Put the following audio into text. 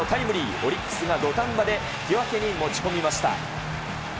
オリックスが土壇場で引き分けに持ち込みました。